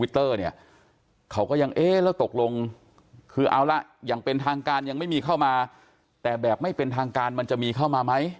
แต่แบบไม่เป็นทางการมันจะมีเข้ามาไหม